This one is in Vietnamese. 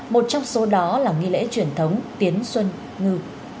một trong số đó là nghi lễ truyền thống tiến xuân ngư